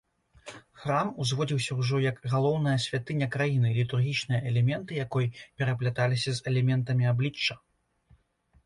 Храм узводзіўся ўжо як галоўная святыня краіны, літургічныя элементы якой перапляталіся з элементамі аблічча.